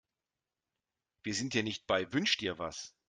Wir sind hier nicht bei Wünsch-dir-was.